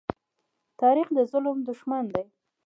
تاریخ د ظلم دښمن دی.